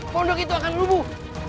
pondok itu akan lubuh